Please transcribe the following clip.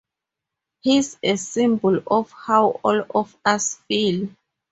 He's a symbol of how all of us feel.